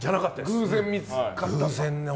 偶然見つかった。